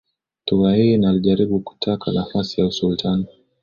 Thuwain alijaribu kutaka nafasi ya usultan